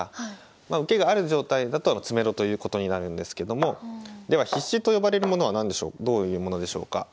まあ受けがある状態だと詰めろということになるんですけどもでは必至と呼ばれるものは何でしょうどういうものでしょうか。